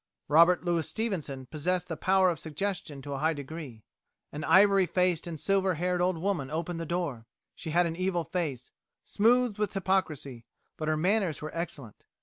Robert Louis Stevenson possessed the power of suggestion to a high degree. "An ivory faced and silver haired old woman opened the door. She had an evil face, smoothed with hypocrisy, but her manners were excellent."